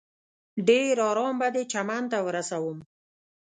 ډېر ارام به دې چمن ته ورسوم.